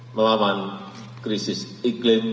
melawan krisis iklim